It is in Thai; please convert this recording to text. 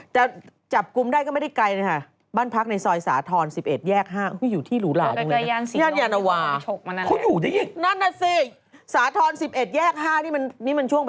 แต่จับกุมได้ก็ไม่ได้ไกลนะฮะบ้านพักในซอยสาธรณ์๑๑แยก๕อุ๊ยอยู่ที่หรูหลาดูเลยนะ